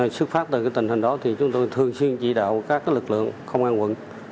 xuất phát từ tình hình đó thì chúng tôi thường xuyên chỉ đạo các lực lượng công an quận